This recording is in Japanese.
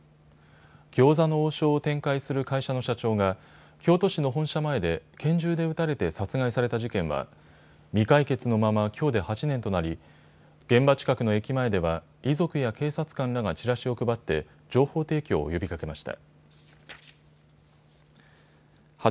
餃子の王将を展開する会社の社長が京都市の本社前で拳銃で撃たれて殺害された事件は未解決のままきょうで８年となり現場近くの駅前では遺族や警察官らがチラシを配って情報提供を呼びかけました。